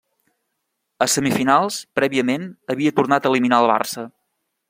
A semifinals, prèviament, havia tornat a eliminar el Barça.